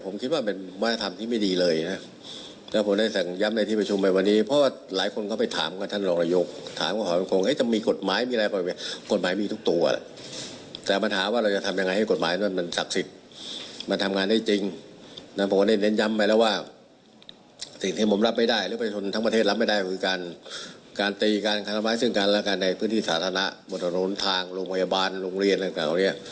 และกันในพื้นที่สาธารณะบทลงโทษทางโรงพยาบาลโรงเรียนต่างเนี่ย